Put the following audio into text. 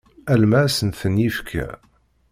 Alma asen-ten-yekfa.